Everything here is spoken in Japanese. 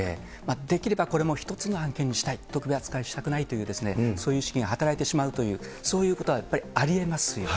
できればこれも１つの案件にしたい、特別扱いしたくないという、そういう意識が働いてしまうという、そういうことはやっぱりありえますよね。